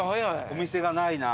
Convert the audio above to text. お店がないな。